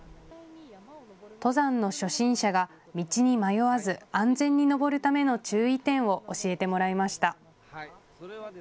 登山の初心者が道に迷わず安全に登るための注意点を教えてもらいました。